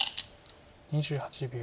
２８秒。